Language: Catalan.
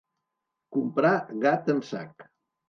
Comprar gat en sac.